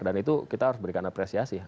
dan itu kita harus berikan apresiasi